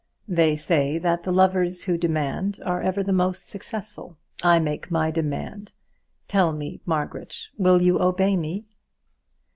They say that the lovers who demand are ever the most successful. I make my demand. Tell me, Margaret, will you obey me?"